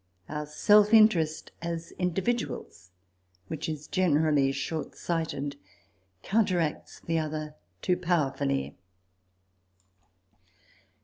Our self interest, as individuals, which is generally shortsighted, coun teracts the other too powerfully.